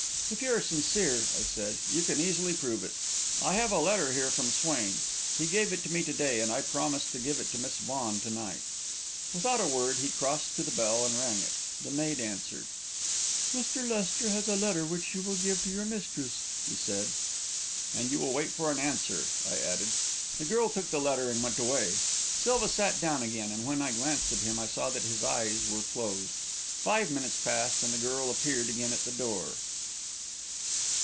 "If you are sincere," I said, "you can easily prove it. I have a letter here from Swain. He gave it to me to day, and I promised to give it to Miss Vaughan to night." Without a word, he crossed to the bell and rang it. The maid answered. "Mr. Lester has a letter which you will give to your mistress," he said. "And you will wait for an answer," I added. The girl took the letter and went away. Silva sat down again, and when I glanced at him, I saw that his eyes were closed. Five minutes passed, and the girl appeared again at the door.